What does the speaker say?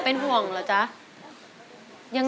เล่นเหรอคุณ